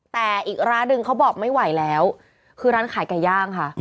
แต่อีกร้านหนึ่งเขาบอกไม่ไหวแล้วคือร้านขายไก่ย่างค่ะ